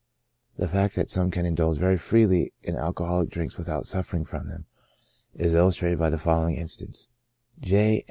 The fact that some can indulge very freely in alcoholic drinks without suffering from them, is illustrated by the following instance : J.